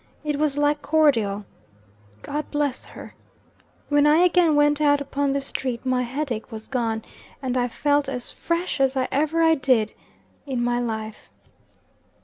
It was like cordial. God bless her! When I again went out upon the street my headache was gone, and I felt as fresh as ever I did in my life.